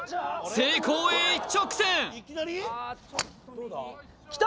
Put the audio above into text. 成功へ一直線きた！